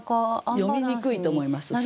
詠みにくいと思います。